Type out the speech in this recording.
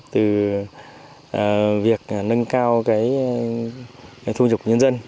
từ việc nâng cao thu nhục nhân dân